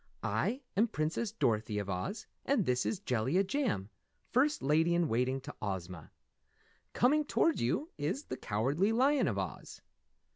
I am Princess Dorothy of Oz and this is Jellia Jam, First Lady in Waiting to Ozma. Coming toward you is the Cowardly Lion of Oz."